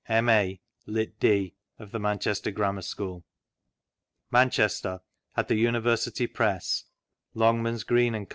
M.A., Litt.D. of the MtncMttei Cranunu' School MAKCHESTER : AT THE UNIVERSITY PRESS LONGMANS, :gR1EN A CO.